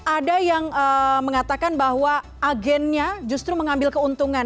ada yang mengatakan bahwa agennya justru mengambil keuntungan